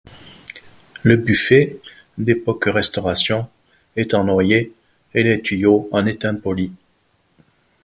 Le buffet, d'époque Restauration, est en noyer et les tuyaux en étain poli.